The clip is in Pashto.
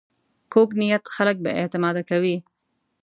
کوږ نیت خلک بې اعتماده کوي